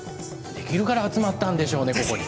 できるから集まったんでしょうね、ここに。